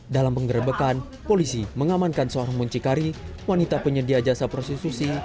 dalam penggerbekan polisi mengamankan seorang muncikari wanita penyedia jasa prostitusi